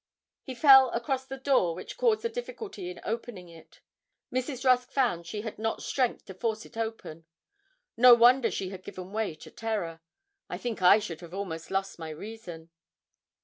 He fell across the door, which caused the difficulty in opening it. Mrs. Rusk found she had not strength to force it open. No wonder she had given way to terror. I think I should have almost lost my reason.